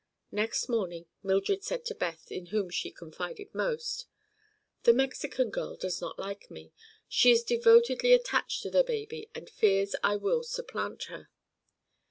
Next morning Mildred said to Beth, in whom she confided most: "The Mexican girl does not like me. She is devotedly attached to the baby and fears I will supplant her."